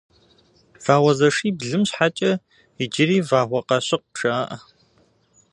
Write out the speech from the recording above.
Вагъуэзэшиблым щхьэкӏэ иджыри Вагъуэкъащыкъ жаӏэ.